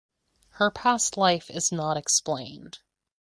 Her past life is not explained.